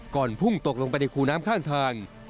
ก่อนพุ่งตกลงไปที่คูน้ำข้างทาง